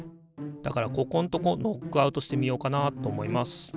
だからここんとこノックアウトしてみようかなと思います。